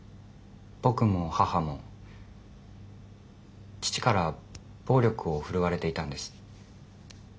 僕も母も父から暴力を振るわれていたんです。